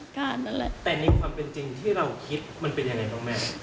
แต่ในความเป็นจริงที่เราคิดมันเป็นอย่างไรครับแม่